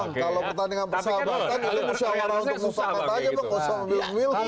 bang kalau pertandingan persahabatan itu musyawarat untuk memupakat aja